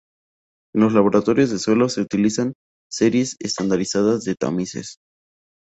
En los laboratorios de suelos se utilizan series estandarizadas de tamices.